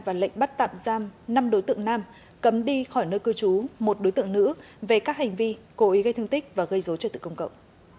và lệnh bắt tạm giam năm đối tượng nam cấm đi khỏi nơi cư trú một đối tượng nữ về các hành vi cố ý gây thương tích và gây dối trật tự công cộng